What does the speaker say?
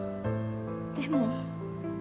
でも。